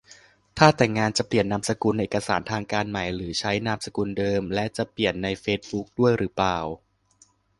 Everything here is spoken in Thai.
ถ้าแต่งงานแล้วจะเปลี่ยนนามสกุลในเอกสารทางการไหม หรือใช้นามสกุลเดิม และจะเปลี่ยนในเฟซบุ๊กด้วยรึเปล่า